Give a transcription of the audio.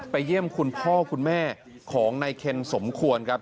เยี่ยมคุณพ่อคุณแม่ของนายเคนสมควรครับ